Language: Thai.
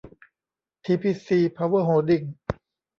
ทีพีซี เพาเวอร์โฮลดิ้ง